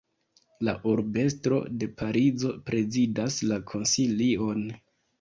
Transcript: La urbestro de Parizo prezidas la konsilion.